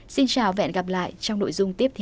xin chào và hẹn gặp lại trong nội dung tiếp theo